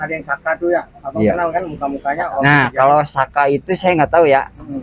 hai yang masuk ke tempat itu ya apa yang akan muka mukanya kalau saka itu saya nggak tahu ya